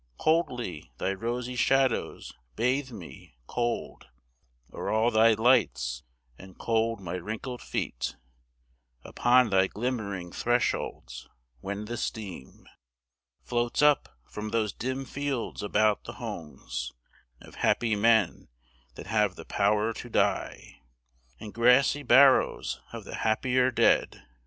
Coldly thy rosy shadows bathe me, cold Are all thy lights, and cold my wrinkled feet Upon thy glimmering thresholds, when the steam Floats up from those dim fields about the homes Of happy men that have the power to die, And grassy barrows of the happier dead.